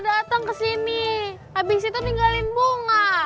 dateng kesini abis itu tinggalin bunga